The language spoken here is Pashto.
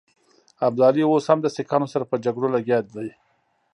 ابدالي اوس هم د سیکهانو سره په جګړو لګیا دی.